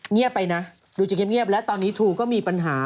เงียบไปนะดูจะเงียบและตอนนี้ทูก็มีปัญหา